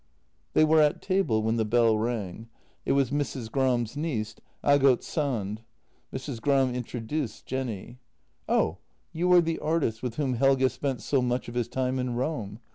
They were at table when the bell rang. It was Mrs. Gram's niece, Aagot Sand. Mrs. Gram introduced Jenny. " Oh, you are the artist with whom Helge spent so much of his time in Rome.